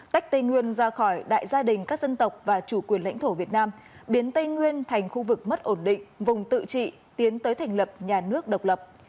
tách tây nguyên ra khỏi đại gia đình các dân tộc và chủ quyền lãnh thổ việt nam biến tây nguyên thành khu vực mất ổn định vùng tự trị tiến tới thành lập nhà nước độc lập